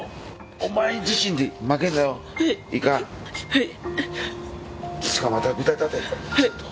はい。